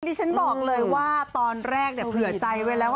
ดิฉันบอกเลยว่าตอนแรกเนี่ยเผื่อใจไว้แล้ว